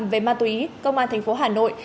về ma túy công an thành phố hà nội